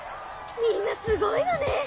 みんなすごいわね！